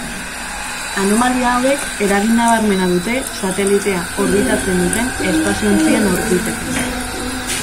Anomalia hauek eragin nabarmena dute satelitea orbitatzen duten espazio-ontzien orbitetan.